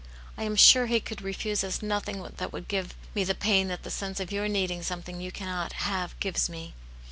I am sure He could refuse us nothing that would give^me the pain that the sense of your needing something you cannot have gives me."